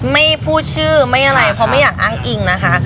ไม่พูดชื่อไม่อะไรเพราะไม่อยากอ้างอิงนะคะ